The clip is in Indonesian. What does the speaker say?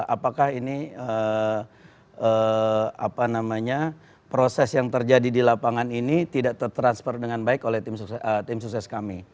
apakah ini proses yang terjadi di lapangan ini tidak tertransfer dengan baik oleh tim sukses kami